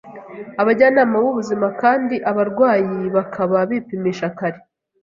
abajyanama b’ubuzima kandi abarwayi bakaba bipimisha kare